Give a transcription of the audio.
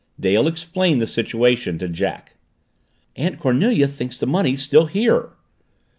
Dale explained the situation to Jack. "Aunt Cornelia thinks the money's still here."